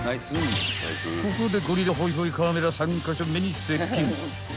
［ここでゴリラホイホイカメラ３カ所目に接近］